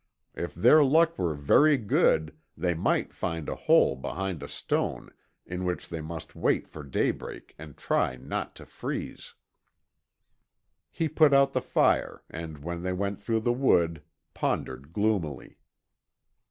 If their luck were very good, they might find a hole behind a stone, in which they must wait for daybreak and try not to freeze. He put out the fire and when they went through the wood pondered gloomily.